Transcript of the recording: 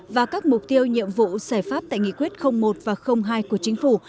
và các mục tiêu nhiệm vụ giải pháp tại nghị quyết một và hai của chính phủ